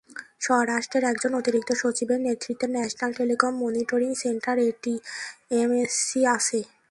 স্বরাষ্ট্রের একজন অতিরিক্ত সচিবের নেতৃত্বে national telecom monitoring centre NTMC আছে।